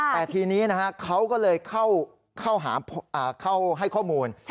แต่ทีนี้เขาก็เลยเข้าให้ข้อมูล